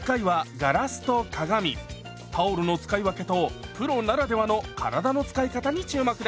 タオルの使い分けとプロならではの体の使い方に注目です！